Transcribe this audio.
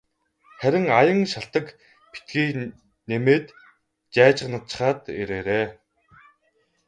Харин аян шалтаг битгий нэмээд жайжганачхаад ирээрэй.